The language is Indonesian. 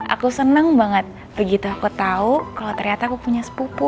aku seneng banget begitu aku tau kalo ternyata aku punya sepupu